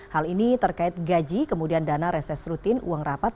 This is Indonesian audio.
hal ini terkait gaji kemudian dana reses rutin uang rapat